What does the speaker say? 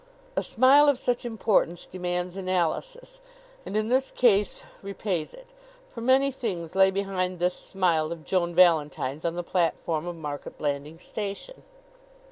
A smile of such importance demands analysis, and in this case repays it; for many things lay behind this smile of Joan Valentine's on the platform of Market Blandings Station.